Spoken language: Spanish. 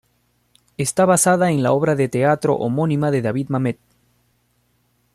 Está basada en la obra de teatro homónima de David Mamet.